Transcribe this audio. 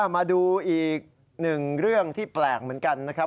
มาดูอีกหนึ่งเรื่องที่แปลกเหมือนกันนะครับ